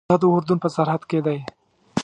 دا د اردن په سرحد کې دی.